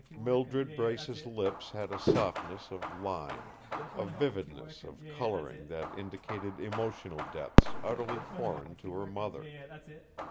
Mildred Brace's lips had a softness of line, a vividness of colouring that indicated emotional depths utterly foreign to her mother.